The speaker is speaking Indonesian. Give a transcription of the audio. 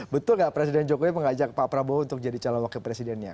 betul nggak presiden jokowi mengajak pak prabowo untuk jadi calon wakil presidennya